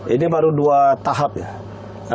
ini baru dua tahap ya